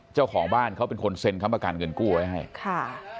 เจ้าของบ้านเขาเป็นคนเซ็นค้ำประกันเงินกู้ไว้ให้ค่ะ